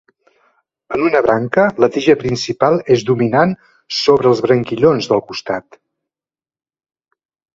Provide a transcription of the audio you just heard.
En una branca la tija principal és dominant sobre els branquillons del costat.